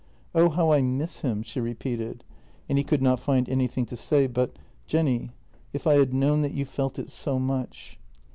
" Oh, how I miss him," she repeated, and he could not find anything to say but " Jenny, if I had known that you felt it so much."